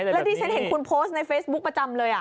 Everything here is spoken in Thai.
แล้วที่ฉันเห็นคุณโพสต์ในเฟซบุ๊คประจำเลย